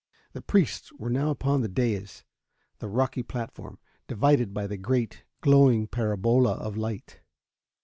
The priests were now upon the dais the rocky platform, divided by the great, glowing parabola of light.